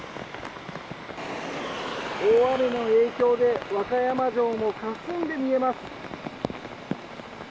大雨の影響で和歌山城もかすんで見えます。